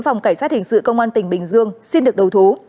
phòng cảnh sát hình sự công an tỉnh bình dương xin được đầu thú